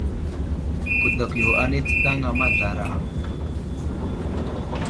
Kudakw yo anay tsənaŋa mazlara.